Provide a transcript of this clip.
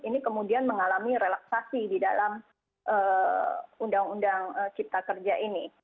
ini kemudian mengalami relaksasi di dalam undang undang cipta kerja ini